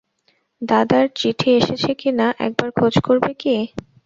দাদার চিঠি এসেছে কি না একবার খোঁজ করবে কি?